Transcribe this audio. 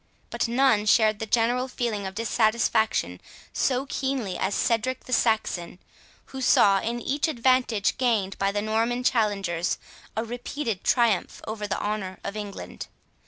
But none shared the general feeling of dissatisfaction so keenly as Cedric the Saxon, who saw, in each advantage gained by the Norman challengers, a repeated triumph over the honour of England.